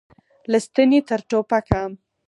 له ستنې تر ټوپکه.